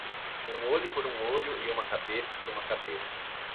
"Um olho por um olho e uma cabeça por uma cabeça"